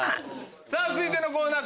さぁ続いてのコーナー